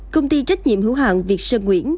công ty trách nhiệm hữu hạng việt sơn nguyễn